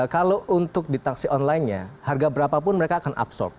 kalau untuk di taksi online nya harga berapapun mereka akan absorb